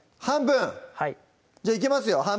半分じゃあいきますよ